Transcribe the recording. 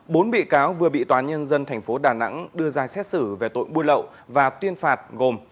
bốn bị cáo vừa bị tòa nhân dân tp đà nẵng đưa ra xét xử về tội buôn lậu và tuyên phạt gồm